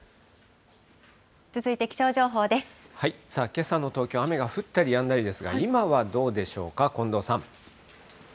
けさの東京、雨が降ったりやんだりですが、今はどうでしょうか、近藤さん。